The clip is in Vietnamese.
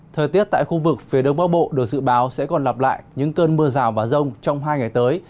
thời tiết tại khu vực phía đông bắc bộ được dự báo sẽ còn lặp lại những cơn mưa rào và rông trong hai ngày tới